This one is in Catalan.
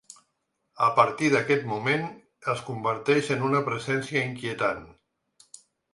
A partir d’aquest moment, es converteix en una presència inquietant.